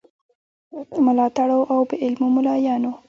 ملاتړو او بې علمو مُلایانو.